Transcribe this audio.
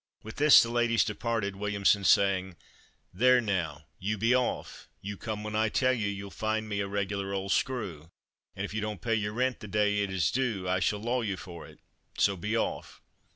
With this the ladies departed, Williamson saying: "There now, you be off; you come when I tell you; you'll find me a regular old screw; and if you don't pay your rent the day it is due I shall law you for it, so be off."